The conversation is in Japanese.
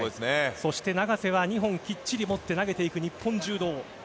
そして、永瀬は２本きっちり持って投げていく、日本柔道。